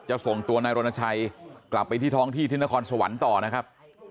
ส่งตัวนายรณชัยกลับไปที่ท้องที่ที่นครสวรรค์ต่อนะครับ